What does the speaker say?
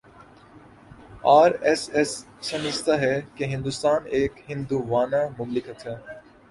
are S S سمجھتا ہے کہ ہندوستان ایک ہندووانہ مملکت ہے